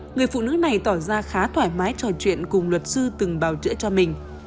người phụ nữ này tỏ ra khá thoải mái trò chuyện cùng luật sư từng bào chữa cho mình